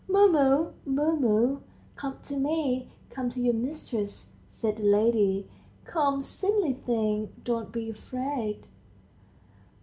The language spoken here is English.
"Mumu, Mumu, come to me, come to your mistress," said the lady; "come, silly thing ... don't be afraid."